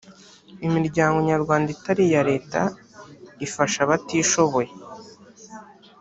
imiryango nyarwanda itari iya leta ifasha abatishoboye